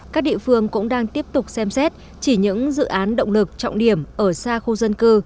các địa phương cũng đang tiếp tục xem xét chỉ những dự án động lực trọng điểm ở xa khu dân cư